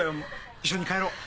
一緒に帰ろう。